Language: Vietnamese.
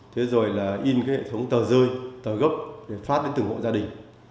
thế rồi là in cái hệ thống tờ rơi tờ gốc để phát đến từng hộ gia đình